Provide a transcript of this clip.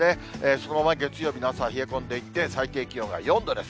そのまま月曜日の朝は冷え込んでいって、最低気温が４度です。